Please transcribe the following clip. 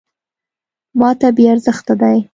.ماته بې ارزښته دی .